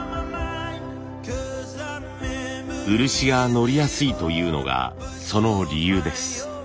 漆がのりやすいというのがその理由です。